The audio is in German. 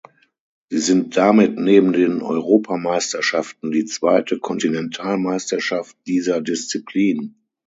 Sie sind damit neben den Europameisterschaften die zweite Kontinentalmeisterschaft dieser Disziplin.